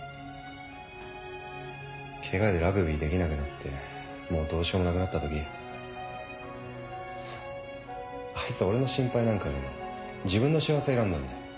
ケガでラグビーできなくなってもうどうしようもなくなったときあいつ俺の心配なんかより自分の幸せ選んだんだ。